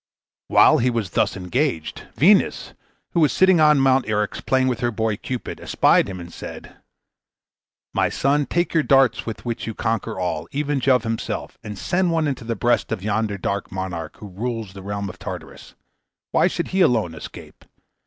While he was thus engaged, Venus, who was sitting on Mount Eryx playing with her boy Cupid, espied him, and said, "My son, take your darts with which you conquer all, even Jove himself, and send one into the breast of yonder dark monarch, who rules the realm of Tartarus. Why should he alone escape?